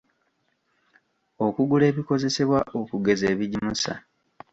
Okugula ebikozesebwa okugeza ebigimusa.